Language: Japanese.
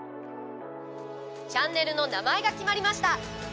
チャンネルの名前が決まりました。